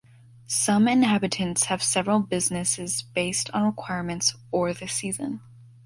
Some inhabitants have several businesses based on requirements or the season.